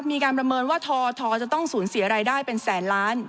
มีการประเมินว่าททจะต้องสูญเสียรายได้เป็นแสนล้าน